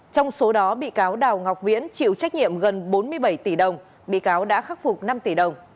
trong số đó bị cáo đào ngọc viễn chịu trách nhiệm gần bốn mươi bảy tỷ đồng bị cáo đã khắc phục năm tỷ đồng